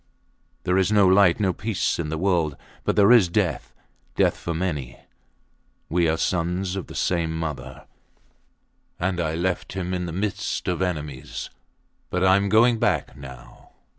There is no light and no peace in the world; but there is death death for many. We are sons of the same mother and I left him in the midst of enemies; but I am going back now.